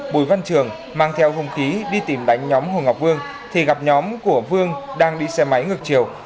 bùi văn trường mang theo hung khí đi tìm đánh nhóm hồ ngọc vương thì gặp nhóm của vương đang đi xe máy ngược chiều